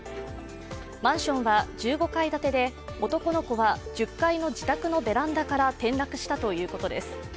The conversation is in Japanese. マンションは１５階建てで男の子は１０階の自宅のベランダから転落したということです。